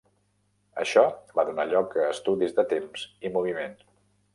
Això va donar lloc a estudis de temps i moviment.